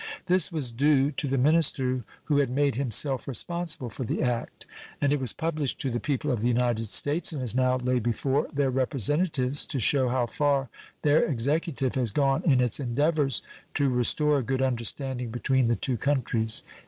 This was due to the minister who had made himself responsible for the act, and it was published to the people of the United States and is now laid before their representatives to shew how far their Executive has gone in its endeavors to restore a good understanding between the two countries.